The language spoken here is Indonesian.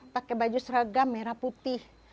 pakai baju seragam merah putih